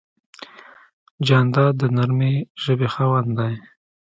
جانداد د نرمې ژبې خاوند دی.